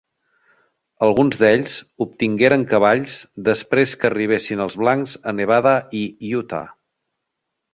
Alguns d'ells obtingueren cavalls després que arribessin els blancs a Nevada i Utah.